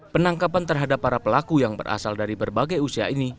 penangkapan terhadap para pelaku yang berasal dari berbagai usia ini